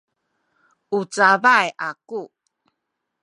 u cabay aku